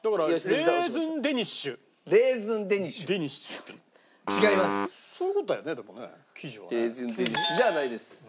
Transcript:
レーズンデニッシュじゃないです。